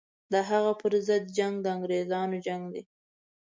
د هغه پر ضد جنګ د انګرېزانو جنګ دی.